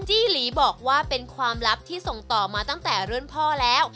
จี้หลีบอกว่าเป็นความลับที่ส่งต่อมาตั้งแต่รุ่นพ่อแล้ว